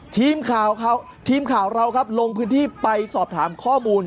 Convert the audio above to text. ทีมข่าวเราลงพื้นที่ไปสอบถามข้อมูล